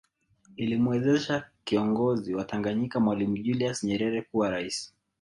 Ilimwezesha kiongozi wa Tanganyika Mwalimu Julius Nyerere kuwa rais